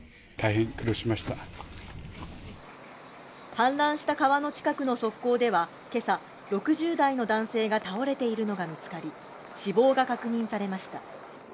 氾濫した川の近くの側溝では今朝、６０代の男性が倒れているのが見つかり、死亡が確認されました。